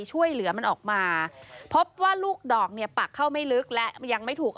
ช่วยเหลือมันออกมาพบว่าลูกดอกเนี่ยปักเข้าไม่ลึกและยังไม่ถูก